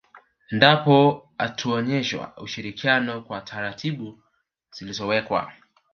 Endapo hutaonyesha ushirikiano kwa taratibu zilizowekwa